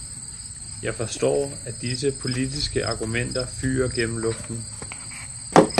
Jeg forstår, at disse politiske argumenter fyger gennem luften.